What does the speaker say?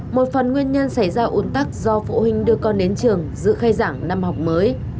một phần nguyên nhân xảy ra ủn tắc do phụ huynh đưa con đến trường dự khai giảng năm học mới